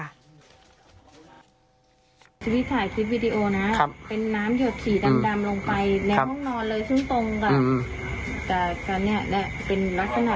ชิคกี้พายถ่ายคลิปวิดีโอนะครับเป็นน้ำเหยือดสีดำลงไปในห้องนอนเลยซึ้งตรงกับ